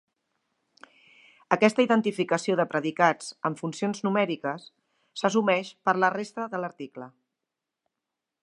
Aquesta identificació de predicats amb funcions numèriques s'assumeix per la resta de l'article.